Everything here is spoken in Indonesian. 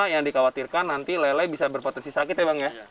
yang dikhawatirkan nanti lele bisa berpotensi sakit ya bang ya